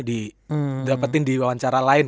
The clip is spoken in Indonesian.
didapetin di wawancara lain